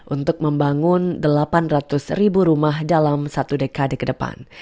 untuk membangun delapan ratus ribu rumah dalam satu dekade ke depan